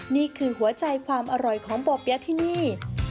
นี่คือหัวใจความอร่อยของบ่อเปี๊ยะที่นี่